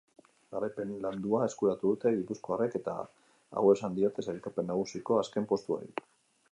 Garaipen landua eskuratu dute gipuzkoarrek eta agur esan diote sailkapen nagusiko azken postuari.